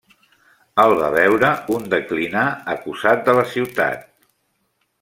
El va veure un declinar acusat de la ciutat.